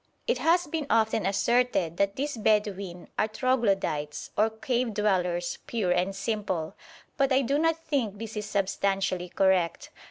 It has been often asserted that these Bedouin are troglodytes, or cave dwellers pure and simple, but I do not think this is substantially correct.